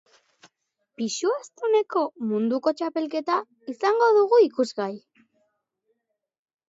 Pisu astuneko munduko txapelketa izango dugu ikusgai.